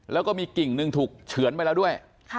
แล้วก็มีกิ่งหนึ่งถูกเฉือนไปแล้วด้วย